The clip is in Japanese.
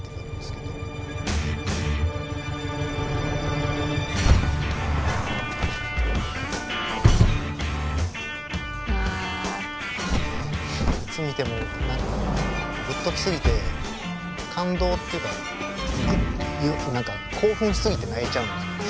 これねいつ見ても何かグッとき過ぎて感動っていうか何か興奮し過ぎて泣いちゃうんですよね